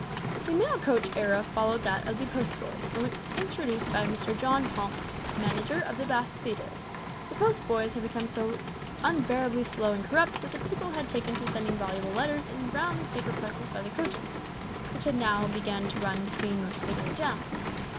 "The Mail coach Era followed that of the post boys, and was introduced by Mr John Palmer, manager of the Bath theatre. The post boys had become so unbearably slow and corrupt that people had taken to sending valuable letters in brown paper parcels by the coaches, which had now begun to run between most of the great towns.